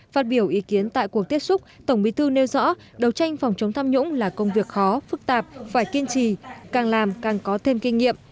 phát biểu ý kiến tại cuộc tiếp xúc tổng bí thư nêu rõ đấu tranh phòng chống tham nhũng là công việc khó phức tạp phải kiên trì càng làm càng có thêm kinh nghiệm